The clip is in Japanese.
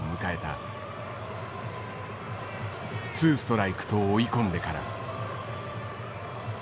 ２ストライクと追い込んでから。